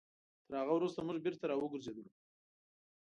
تر هغه وروسته موږ بېرته راوګرځېدلو.